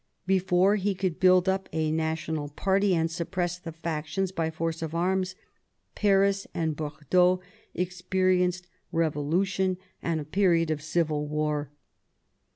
Before he could build up a national party and suppress the factions by force of arms, Paris and Bordeaux experienced revolu tion and a period of civil war.